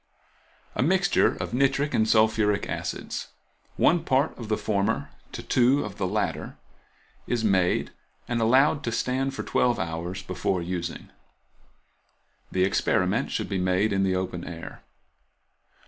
A mixture of nitric and sulphuric acids, one part of the former to two of the latter, is made, and allowed to stand for twelve hours before using. The, experiment should be made in the open air.